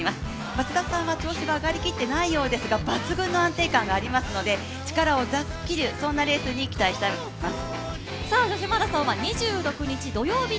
松田さんは調子が上がりきっていないようですが、抜群の安定感がありますので力を出し切る、そんなレースに期待したいと思います。